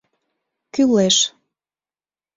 Кӱлеш...